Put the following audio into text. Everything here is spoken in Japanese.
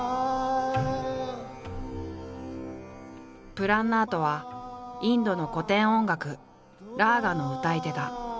プラン・ナートはインドの古典音楽ラーガの歌い手だ。